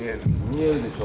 見えるでしょ？